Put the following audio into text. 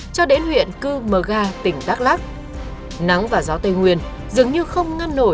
cho đến ngày hôm nay các anh đang đặt rất nhiều kỳ vọng về hắn